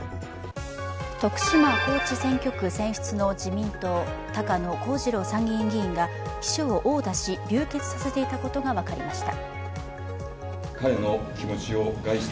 徳島・高知選挙区選出の自民党、高野光二郎参議院議員が秘書を殴打し、流血させていたことが分かりました。